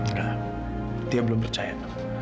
enggak dia belum percaya